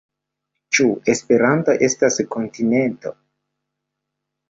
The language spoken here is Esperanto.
Ĉu Esperanto estas kontinento?